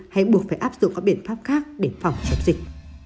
hay buộc phải áp dụng các biện pháp khác để phòng chống dịch